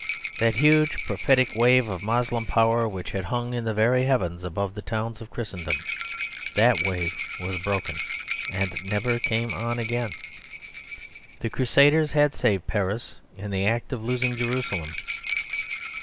That huge prophetic wave of Moslem power which had hung in the very heavens above the towns of Christendom, that wave was broken, and never came on again. The Crusaders had saved Paris in the act of losing Jerusalem.